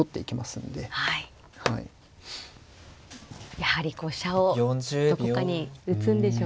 やはりこう飛車をどこかに打つんでしょうか。